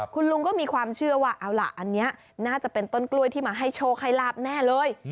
คุณลุงก็มีความเชื่อว่าเอาล่ะอันนี้น่าจะเป็นต้นกล้วยที่มาให้โชคให้ลาบแน่เลย